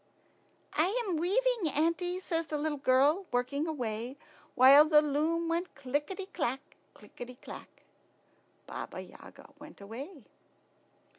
"I am weaving, auntie," says the little girl, working away, while the loom went clickety clack, clickety clack. Baba Yaga went away.